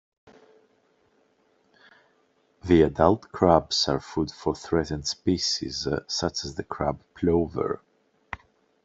The adult crabs are food for threatened species such as the crab plover.